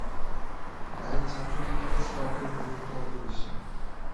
তাই ছাত্রজীবনে শ্রমের গুরুত্ব অপরিসীম।